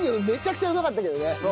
めちゃくちゃうまかったけどね。